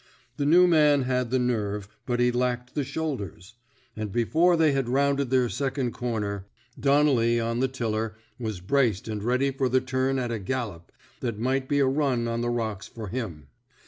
The new man had the nerve, but he lacked the shoulders. And before they had rounded their second comer, Donnelly, on the tiller, was braced and ready for the turn at { THE SMOKE EATERS a gallop that might be a nm on the rocks for him.